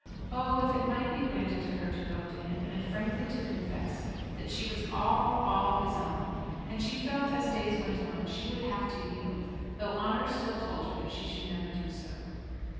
Oh, if it might be granted to her to go to him, and frankly to confess, that she was all, all his own! And she felt, as days went on, she would have to yield, though honour still told her that she should never do so.